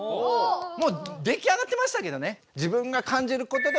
もう出来上がってましたけどね！